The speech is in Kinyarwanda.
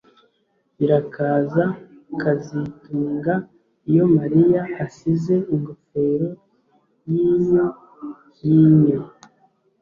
Birakaza kazitunga iyo Mariya asize ingofero yinyo yinyo